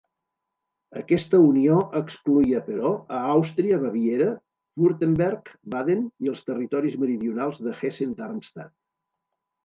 Aquesta unió excloïa però, a Àustria, Baviera, Württemberg, Baden i els territoris meridionals de Hessen-Darmstadt.